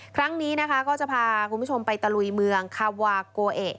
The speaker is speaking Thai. ครั้งนี้นะคะก็จะพาคุณผู้ชมไปตะลุยเมืองคาวาโกเอ